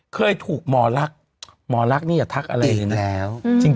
เคยถูกหมอลักษณ์หมอลักษณ์นี่อย่าทักอะไรเลยนะ